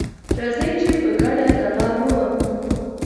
راځئ چې په ګډه دا لاره ووهو.